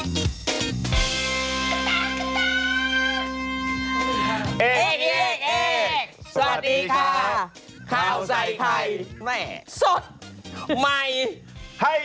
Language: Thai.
ท้าว่าให้พร้อมกันได้ไหม